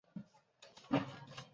瓦西利。